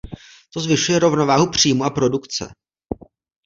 To zvyšuje rovnováhu příjmu a produkce.